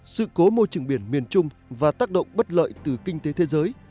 sự cố môi trường biển miền trung và tác động bất lợi từ kinh tế thế giới